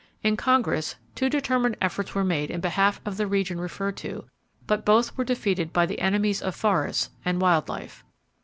In Congress, two determined efforts were made in behalf of the region referred to, but both were defeated by the enemies of forests and wild life.